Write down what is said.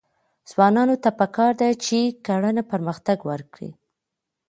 ځوانانو ته پکار ده چې، کرنه پرمختګ ورکړي.